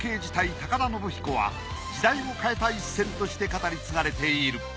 高田延彦は時代を変えた一戦として語り継がれている。